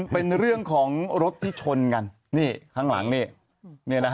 เป็นเรื่องของรถที่ชนกันนี่ข้างหลังนี่นะฮะ